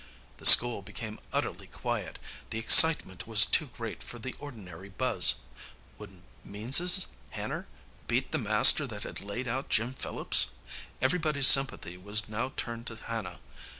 The school became utterly quiet, the excitement was too great for the ordinary buzz. Would "Meanses' Hanner" beat the master? beat the master that had laid out Jim Phillips? Everybody's sympathy was now turned to Hannah.